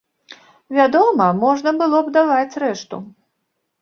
Вядома, можна было б даваць рэшту.